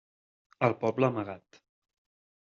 El poble amagat.